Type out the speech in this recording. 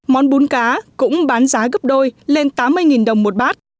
món bún cá cũng bán giá gấp đôi lên tám mươi đồng một bát